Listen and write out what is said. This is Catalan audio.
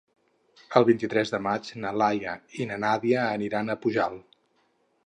El vint-i-tres de maig na Laia i na Nàdia aniran a Pujalt.